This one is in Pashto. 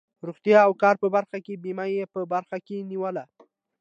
روغتیا او کار په برخه کې بیمه یې په بر کې نیوله.